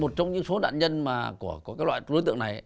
một trong những số đạn nhân của cái loại đối tượng này